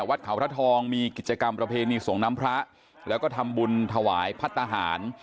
วัดเขาพระทองมีกิจกรรมประเพณีส่งน้ำพระแล้วก็ทำบุญถวายพัฒนาหาร